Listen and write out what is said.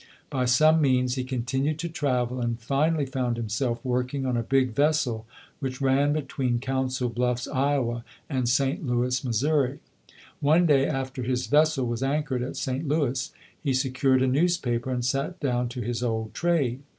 By some means he continued to travel, and finally found himself working on a big vessel which ran between Council Bluffs, Iowa, and St. Louis, Missouri. One day, after his vessel was anchored at St. Louis, he secured a news paper and sat down to his old trade.